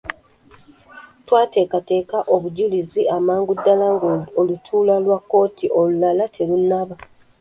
Twateekateeka obujulizi amangu ddala ng'olutuula lwa kkooti olulala terunnaba.